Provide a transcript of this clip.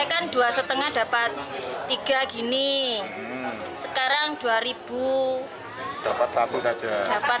sekarang ini kan banyak pedagang pedagang yang tidak bisa jualan